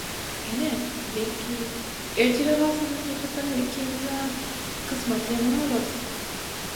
- Ene, belki... ertire galsak hakykatdanam ikimiziem kysmaty ýaman bolarys.